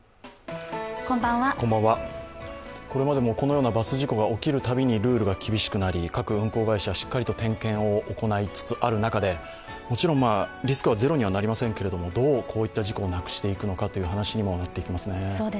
これまでも、このようなバス事故が起きるたびにルールが厳しくなり、各運行会社しっかりと点検を行いつつある中で、もちろんリスクはゼロにはなりませんけれども、どうこういった事故をなくしていくのかという話にもなりますね。